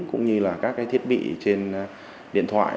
cũng như là các cái thiết bị trên điện thoại